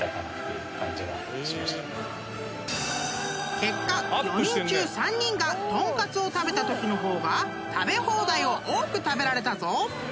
［結果４人中３人が豚カツを食べたときの方が食べ放題を多く食べられたぞ］